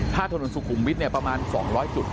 พ่อถนนสุขุมวิทประมาณ๒๐๐กน